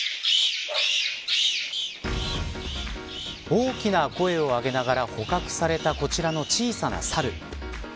大きな声を上げながら捕獲されたこちらの小さなサル。